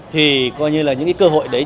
thì coi như là những cơ hội đấy